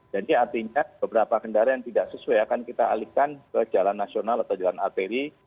jadi artinya beberapa kendaraan yang tidak sesuai akan kita alihkan ke jalan nasional atau jalan arteri